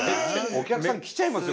お客さん来ちゃいますよ